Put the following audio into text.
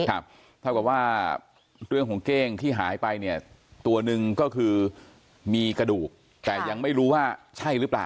เท่ากับว่าเรื่องของเก้งที่หายไปเนี่ยตัวหนึ่งก็คือมีกระดูกแต่ยังไม่รู้ว่าใช่หรือเปล่า